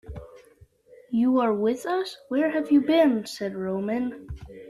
“You are with us?” “Where have you been?” said Roman.